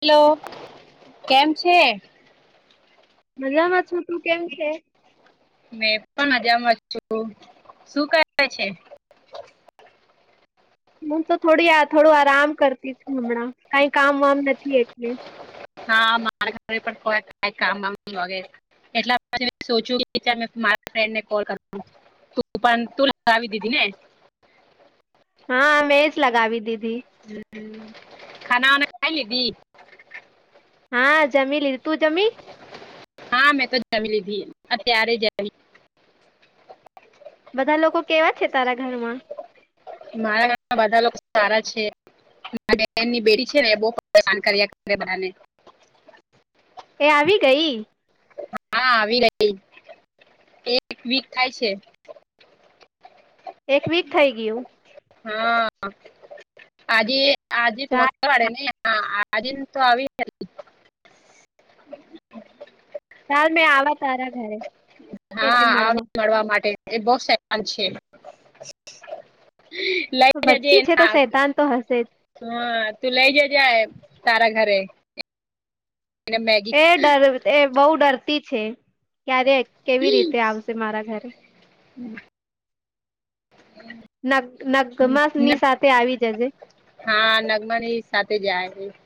Hello કેમ છે? મજામાં છું. તું કેમ છે? મેં પન મજામાં છું. શું કરે છે? હું તો થોડી થોડું આરામ કરતી છું હમણાં. કઈ કામ વામ નથી એટલે. હા મારે ઘરે પણ કોઈ વામ નથી વગેરે. એટલા પાછું મેં સોચુ કે મારા ફ્રેન્ડ ને કોલ કરું. તું પણ તું લગાવી દીધી ને. હા મેં જ લગાવી દીધી. હમ હ ખાના વાના ખાઈ લીધી? હા જમી લીધી. તું જમી? હા મેં તો જમી લીધી. અત્યારે જમી. બધા લોકો કેવા છે તારા ઘરમાં? મારા ઘરમાં બધા લોકો સારા છે. મારા બેનની બેટી છે ને એ બહુ હેરાન કર્યા કરે બધાને. એ આવી ગઈ? હા આવી રહી. એક વીક થાય છે. એક વીક થઈ ગયું? હા આજે આજે ત મંગ ચાલ મંગળવાર હે ને આજેને તો આવી જ ચાલ મેં આવા તારા ઘરે. હા આવ જે મળવા માટે. એ બહુ શેતાન છે. લઈ જજે વચ્ચી એન છે તો [inaudible] શૈતાન તો હશે જ. હા તું લઈ જજે આયે તારા ઘરે. એને મેગી એ ડર એ બહુ ડરતી છે. ક્યારે કેવી રીતે આવશે મારા ઘરે. નગ નગમા ની સાથે આવી જજે. હા નગમાની સાથે જ આવીશ.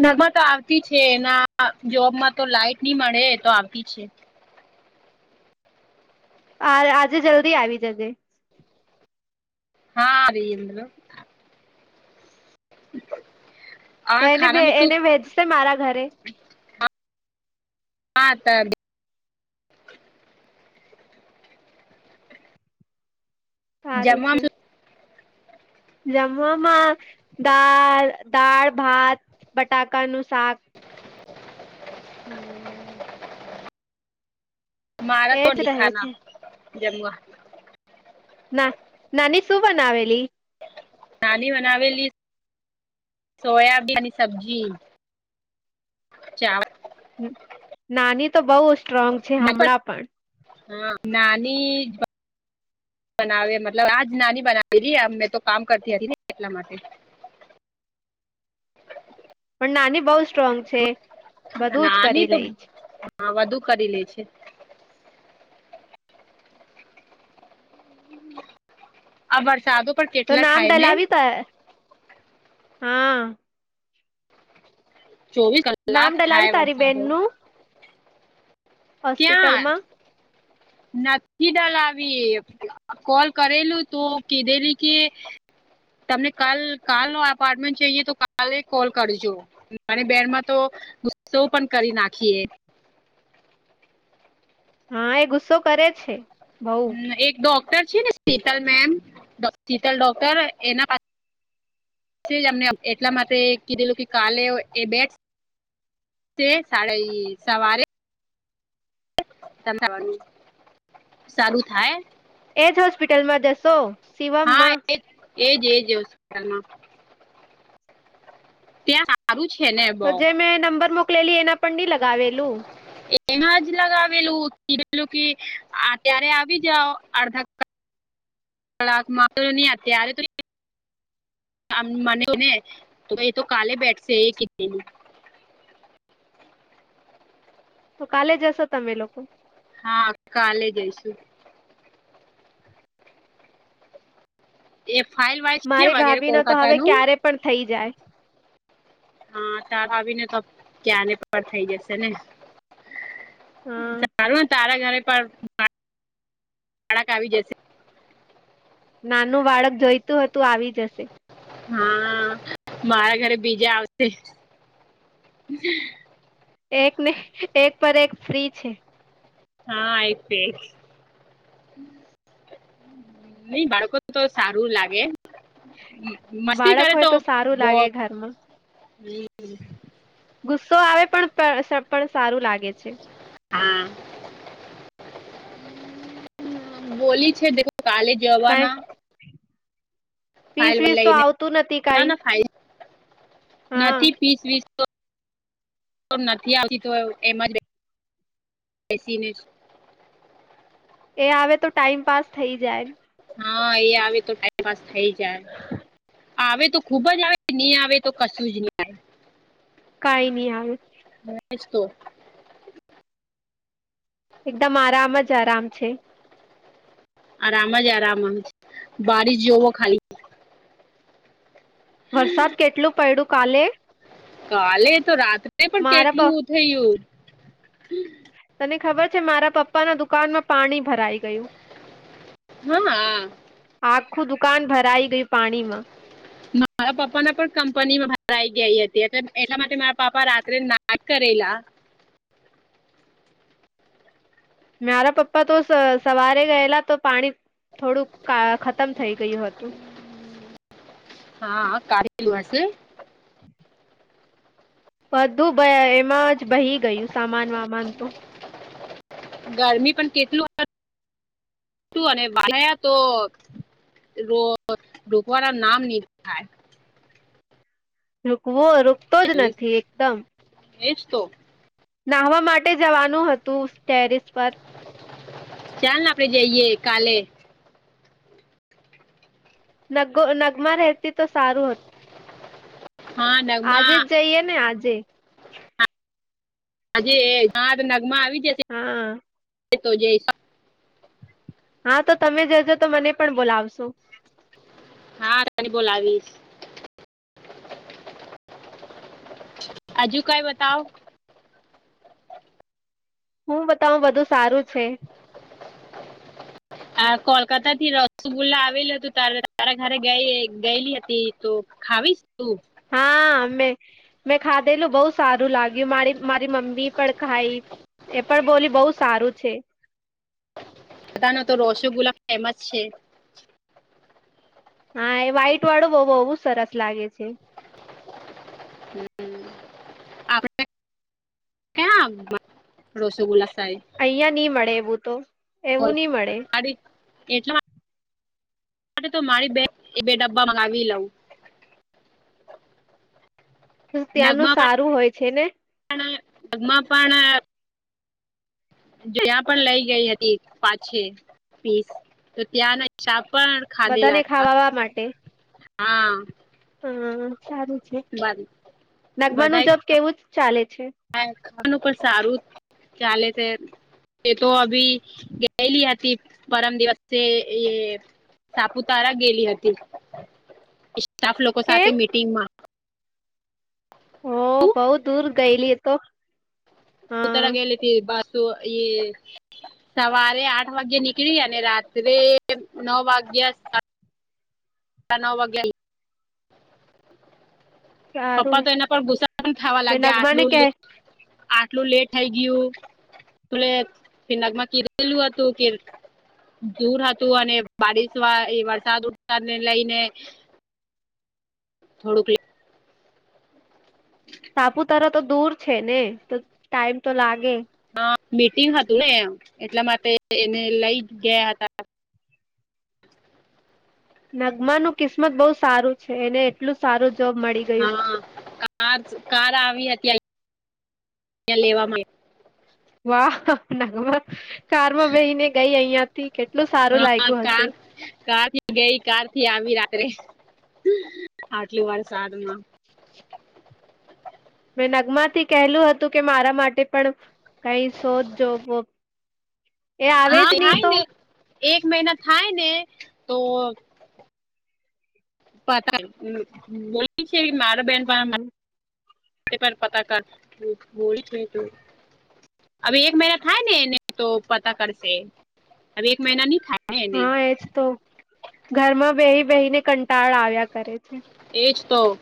નગ્મા તો આવતી છે એના જોબમાં તો લાઈટ ની મળે તો આવતી છે. આ આજે જલ્દી આવી જજે. હા આવી લ્યો. [inaudible] તો એને ખાનામાં શું એને ભેજશો મારા ઘરે? હા ત સારું જમવામાં છે શું જમવામાં દાળ દાળ ભાત બટાકાનું શાક હમ મારા તો એજ દિ રહે ખાના છે જમવા. ના નાની શું બનાવેલી? નાની બનાવેલી સોયાબીન સબ્જી. ચાવલ હમ નાની તો બહુ સ્ટ્રોંગ છે હમણાં પણ. હા નાની બનાવે મતલબ આજ નાની બનાવેલી. મેં તો કામ કરતી હતી ને એટલા માટે. [inaudible] પણ નાની બહુ સ્ટ્રોંગ છે બધું જ નાની કરી તો લઈ છે હા વધુ કરી લે છે આ વરસાદ તો નામ ડલાવી ત હૈ હા ચોવીસ નામ કલાક ડલાવી થાય તારી વરસાદો બેનનું ક્યાં હોસ્પિટલમાં [inaudible] નથી ડલાવી કોલ કરેલું તો કીધેલી કે તમને કાલ કાલ નો અપાર્ટમેન્ટ જઈએ તો કાલે કોલ કરજો મને બેનમાં તો ઉુસ્સવ પણ કરી નાખીએ હા એ ગુસ્સો કરે છે બઉ એક ડોક્ટર છે ને શીતલ મેમ શીતલ ડોક્ટર એના પાસે જ અમને એટલા માટે કીધેલું કે કાલે એ બેટ તે સાડ સવારે તળું સારું થાય એજ હોસ્પિટલમાં જશો હા શિવમમાં એજ એજ ત્યાં સારું છે ને તો બઉ જે મેં નંબર મોકલેલી એના પણ નઈ લગાવેલું ના જ લગાવેલું કીધેલું કેત્યારે આવી જાઓ અડધા કલાક કલાક મા તો ન આત આ તો મને તો એ તો કલે બેઠશે એ ક તો કાલે જશો તમે લોકો હા કાલે જઈશું એ ફાઇલ વા મારી ભાભી ન તો હવે ક્યારે પણ થઈ જાય હા તાર આવીને તો ક્યાંને પર થઇ જશે ને હા તારું ને તારા ઘરે પણ બાળક આવી જશે નાનું બાળક જોઈતું હતું આવી જશે હા મારા ઘરે બીજા આવશે એક ને એક પર એક ફ્રી છે હા આઈત નઈ બાળકો તો સારું લાગે મસ્તી બાળક કરે હોય તો સારું લાગે બહ ઘરમાં [unintelligible] ગુસ્સો આવે પણ પણ સારું લાગે છે હમ બોલી છે કાલે કઈ જવાના વીસ ફાઇલ વીસ તો લઈને આવતું નથી કઈ ફાઇલ હા નથી પીસ વીસ નથી આવતી તો એમાં બેસીને એ આવે તો ટાઈઇમ પાસ થઈ જાય હા એ આવે તો ટાઈમપાસ થઇ જાય આવે તો ખુબ જ આવે નહી આવે તો કશું જ નહી આવે કઈ નહી આવેાલ હ જ તોું એકદમ આરામ જ આરામ છે આરામ જ આરામ બારિશ જોવો ખાલી વરસાદ કેટલું પડડું કાલે. કાલે તો રાત્રે પણ મારા પ કેટલું થયું. તને ખબર છે મારા પપ્પા ના દુકાનમાં પાણી ભરાઈ ગયું. હા હ. આખું દુકાન ભરાઈ ગયું પાણીમાં મારા પપ્પા ના પણ કંપનીમાં બહારઈ ગયા હતી એટલા માટે મારા પાપ્પા રાત્રે નાક કરેલા. મારા પપ્પા તો સવારે ગયેલા તો પાણી થોડુંક ખતમ થઈ ગયું હતું હા કાલું હશે. [inaudible] બધું એમાં જ બહી ગયું સામાન વામાન તો. ગરમી પણ કેટલું. વા તો ઢોકવાળ નામ નહી થાય. રોકવો રોકતો જ નથી એકદમ એ જ તો. નાહવા માટે જવાનું હતું ટેરિસ પર. ચાલ ને આપડે જઈએ કાલે. નગ નગમા રહેતી તો સારું હતુ. હા આજે નગમા જ જઈએ ને આજે આજે હ નગમાં આવી હા જશે જેબ [unintelligible] હા તો તમે જજો તો મને પણ બોલાવશો. હા તને બોલાવીશ. આજુ કઈ બતાવ. હું બતાું બધુ સારું છે. આ કોલકાતા થી રસગુલ્લા આવેલું હતું તારે તારા ઘરે ગયેલી હતી તો ખાવીશ. શું. હા મેં મેં ખાધેલું બહુ સારું લાગ્યું મારી મારી મમ્મી પણ ખાઈ એ પણ બોલી બહુ સારું છે. બધા ન તો રોસોગુલ્લા ફેમસ છે. હા એ વહાઈટ વાળું બ બહવુ સરસ લાગે છે. હ રસગુલ્લા સાઈટ અહિયા નહી મળે એવું તો એવું બોલ નહી મળે એટલા. માટે તો મારી બેગ એ બે ડબ્બા મંગાવી લઉં ત્યાંનું સારું હોય છે ને. પણમાં પણ જ્યાં પણ લઈ ગઈ હતી પાછ પીસ તો ત્યાંના હિસાબ પણ બધાને ખાધેલા હતા ખાવાવા માટે હા હા સારું છે નગમા ન જબ કેવું જ ચાલે છે. હ કામનું પણ સારું ચાલે છે. તે તો અભી ગયાલી આતી પરમ દિવસે એ સાપુતારા ગેલી હતી. સા્ટફ લોકો સાથે કેમ મીટિંગ માં હ બઉુ દૂર ગયેલી તો હા ઉતરા ગેલીથી બાસુ એ સવારે આઠ વાગ્ય નીકળી અને રાત્રે નવ વાગ્યા તે નવ વાગે સારું પપ્પા તો એના પર ગુસ્સા પણ ખાવા મેં લાગ્યા નગમાને આટલું કે આટલું લેટ થઈ ગયું. તુલે ફિ નાગમાં કીરલું હતું કીર્ દૂર હતું અને બારિશ વા એ વરસાદ વરસાદ ને લઈને થોડુંક તારા તો દૂર છે ને તો ટાઈમ તો લાગે. હા મીટિંગ હતું ને એટલા માટે એને લઈ ગયા હતા નગમા નું કિસ્મત બહુ સારું છે એને એટલું સારું જોબ મળી ગયું. આજ કાર આવી હતી ત્યાં લે આવા વાહ નગમાં કારમાં બેહી ને ગઈ અહયા થી કેટલું સારું હા લાગ્યું કાર હશે. કાર ગઈ કાર થી આવી રાત્રે આટલી વરસાદમાં. મેં નગમાથી કહેલું હતું કે મારા માટે પણ કઈ શોધ જો હા થાય ને એક મહિના થાય ને તો પતા એ [unintelligible] બેહેન પણ હમ તે પર પતા કર બોળ થઈ તું હવે એક મહિના થાય ને એને તો પતા કરશે હવે એક મહિના નહી થાય. ને એને હા એજ તો ઘરમાં બેહી બેહી ને કંટાળ આવ્યા કરે છે. એજ તો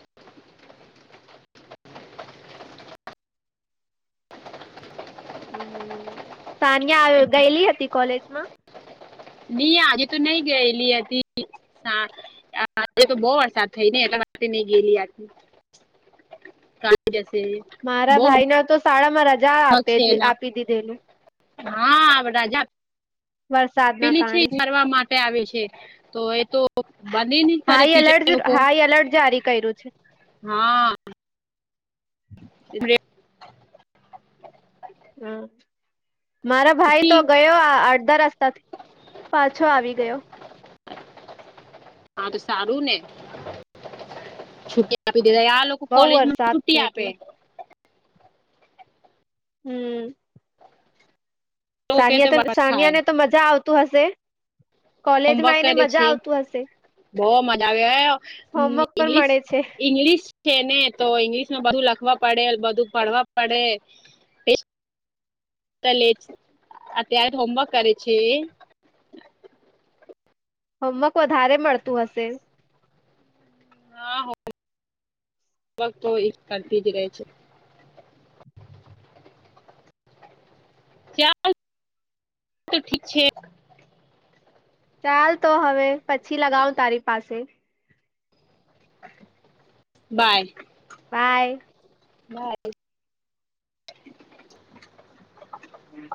[inaudible] સાનિયા ગયેલી હતી કોલેજમાં. આજે તો નઈ ગયેલી હતી. હા તો બહુ વરસાદ થઈ ને એટલા માટે મે ની ગેલી આ કારણ કેસે મારા ભાઈને તો શાળા માં રજા હોમવર્ક આપે છે એના આપી દીધેલું હા રાજા [inaudible] પેલી છે કારણે મારવા માટે આવે છે તો એ તો બંધ નહી તારે ટીચર લોકો અલર્ટ જારી કર કર્યું છે. હા, હમ્મ મારા ભાઈ તો એટલી ગયો આ અધ્ધા રસ્તાથી પાછો આવી ગયો. હા, તો સારું ને છુટી આપી દેય આ લોકો બહુ કોલેજમાં વરસાદ છુટ્ટી છે આપે એટલે હમ્મ તો કે તો સાનિયાતન વરસ સાનિયા થાય ને તો મજા આવતું હશે, કોલેજમાં એને મજા આવતું હશે. બો મજા આવે ગ હોમવર્ક પણ ઇંગ્શ મળે છે ઇંગ્લિશ છે ને તો ઈંગ્લિશમાં બધું લખવા પડે, બધું પડવા પડે. ત લેટસ અત્યારે હોમવર્ક કરે છે. હોમવર્ક વધારે મળતું હશે. હા, હોમવર્ક તો એક કરતી જ રહે છે. ચાલ તો ઠીક છે. ચાલ તો હવે, પછી લગાવ તારી પાસે બાય, બાય, બાય, હમ્મ